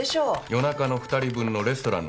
夜中の２人分のレストランのレシート。